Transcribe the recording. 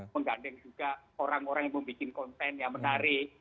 menggandeng juga orang orang yang membuat konten yang menarik